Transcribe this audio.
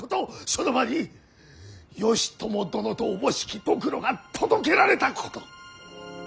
その場に義朝殿とおぼしきドクロが届けられたこと。